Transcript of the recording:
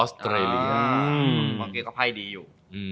อุ้มพระอุทัยเค้าไพ่ดีอยู่